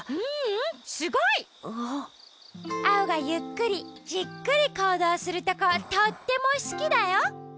ううんすごい！アオがゆっくりじっくりこうどうするとことってもすきだよ。